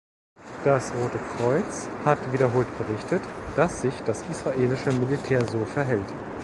Das Rote Kreuz hat wiederholt berichtet, dass sich das israelische Militär so verhält.